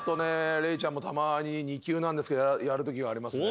礼ちゃんもたまに２級なんですけどやるときがありますね。